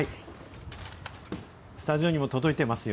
スタジオにも届いてますよ。